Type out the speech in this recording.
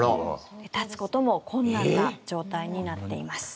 立つことも困難な状態になっています。